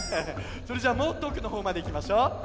それじゃあもっとおくのほうまでいきましょう。